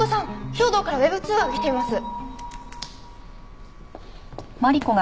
兵働からＷｅｂ通話がきています。